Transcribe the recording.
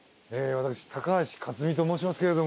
私高橋克実と申しますが。